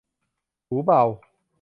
หูเบา